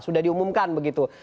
sudah diumumkan begitu